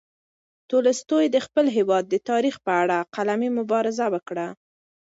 تولستوی د خپل هېواد د تاریخ په اړه قلمي مبارزه وکړه.